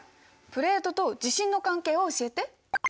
プレートと地震の関係を教えて。